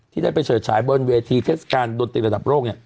ที่ได้ไปเฉิดฉายบนเวทีเท็จการดนตรีระดับโลกเนี่ย